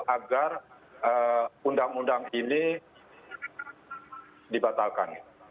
agar undang undang ini dibatalkan